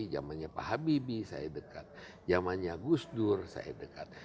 zamannya pak habibie saya dekat zamannya gus dur saya dekat